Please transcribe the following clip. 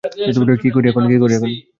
কি করি এখন।